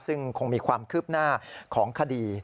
ซึ่งคงมีความคืบหน้าของคดี